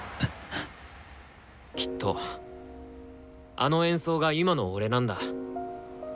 きっとあの演奏が今の俺なんだ。